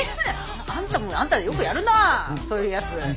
あんたもあんたでよくやるなそういうやつ。